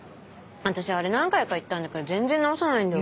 私あれ何回か言ったんだけど全然直さないのよ。